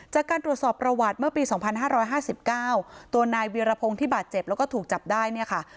จากการตรวจสอบประวัติเมื่อปี๒๕๕๙ตัวนายเวียรพงศ์ที่บาดเจ็บแล้วก็ถูกจับได้เนี่ยค่ะ